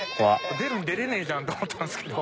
出るに出れねえじゃんと思ったんですけど。